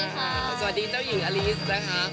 สวัสดีเจ้าหญิงอลิสนะคะ